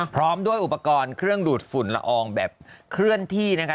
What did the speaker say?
พร้อมด้วยอุปกรณ์เครื่องดูดฝุ่นละอองแบบเคลื่อนที่นะคะ